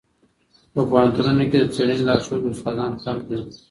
په پوهنتونونو کي د څېړني لارښود استادان کم دي.